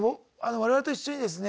我々と一緒にですねね